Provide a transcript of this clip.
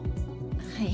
はい。